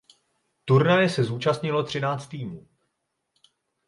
Turnaje se zúčastnilo třináct týmů.